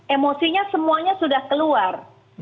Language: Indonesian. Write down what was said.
emosinya semuanya sudah keluar